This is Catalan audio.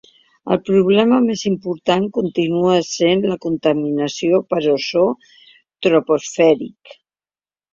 El problema més important continua sent la contaminació per ozó troposfèric.